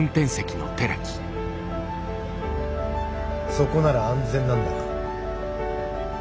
そこなら安全なんだな？